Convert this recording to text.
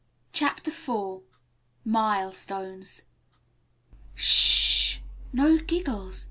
CHAPTER IV MILESTONES "Sh h h! No giggles.